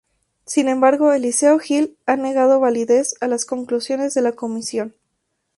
Sin embargo, Eliseo Gil ha negado validez a las conclusiones de la comisión.